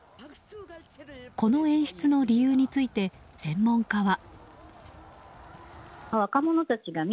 この演出の理由について専門家は。